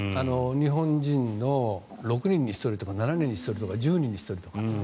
日本人の６人に１人とか７人に１人とか１０人に１人とか。